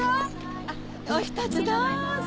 あっおひとつどうぞ！